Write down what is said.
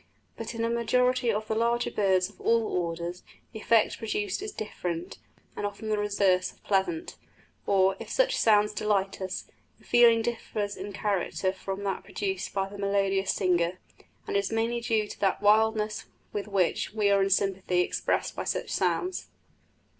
But in a majority of the larger birds of all orders the effect produced is different, and often the reverse of pleasant. Or if such sounds delight us, the feeling differs in character from that produced by the melodious singer, and is mainly due to that wildness with which we are in sympathy expressed by such sounds.